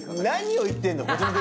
何を言ってんの？